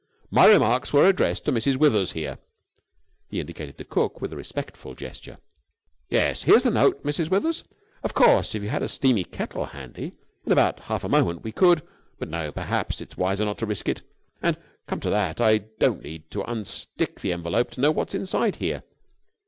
My remarks were addressed to Mrs. Withers here." He indicated the cook with a respectful gesture. "Yes, here's the note, Mrs. Withers. Of course, if you had a steamy kettle handy, in about half a moment we could ... but no, perhaps, it's wiser not to risk it. And, come to that, I don't need to unstick the envelope to know what's inside here.